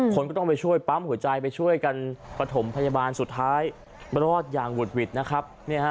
คนก็ต้องไปช่วยปั๊มหัวใจไปช่วยกันประถมพยาบาลสุดท้ายรอดอย่างหุดหวิดนะครับ